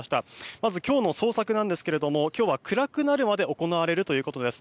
まず今日の捜索ですが今日は暗くなるまで行われるということです。